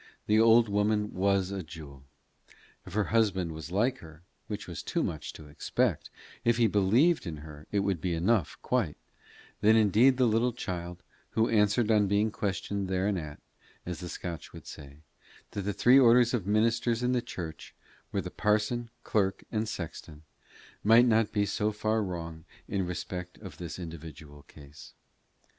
The old woman was a jewel. If her husband was like her, which was too much to expect if he believed in her, it would be enough, quite then indeed the little child, who answered on being questioned thereanent, as the Scotch would say, that the three orders of ministers in the church were the parson, clerk, and sexton, might not be so far wrong in respect of this individual case.